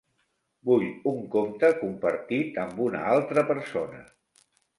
Vull un compte compartit amb una altra persona.